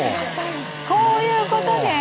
こういうことね！